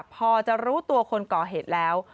พอจะรู้ตัวคนก่อเหตุแล้ว